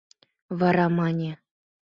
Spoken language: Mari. Вара мане: